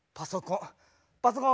パソコン。